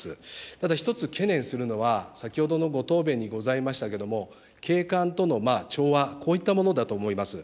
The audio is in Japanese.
ただ、１つ懸念するのは、先ほどのご答弁にございましたけども、景観との調和、こういったものだと思います。